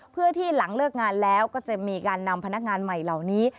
เพื่อที่หลังเลิกงานแล้วก็จะมีการนำพนักงานใหม่เหล่านี้